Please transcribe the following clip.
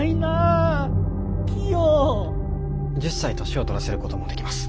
１０才年をとらせることもできます。